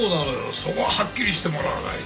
そこははっきりしてもらわないと。